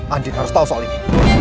anjing harus tahu soal ini